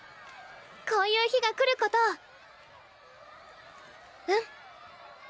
こういう日が来ることを。